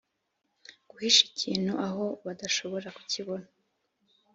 guhisha ikintu aho badashobora kukibona